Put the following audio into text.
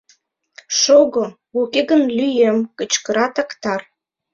Шого, уке гын, лӱем! — кычкыра Токтар.